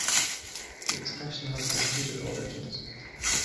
The expression has disputed origins.